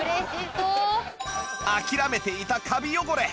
諦めていたカビ汚れ